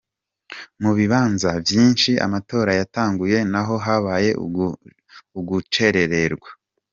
Mu bibanza vyinshi amatora yatanguye n’aho habaye ugucxererwa.